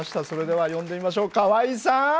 それでは呼んでみましょう川合さん！